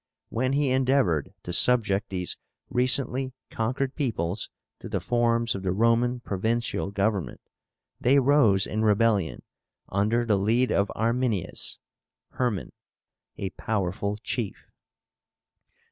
When he endeavored to subject these recently conquered peoples to the forms of the Roman provincial government, they rose in rebellion under the lead of Arminius (Herman), a powerful chief.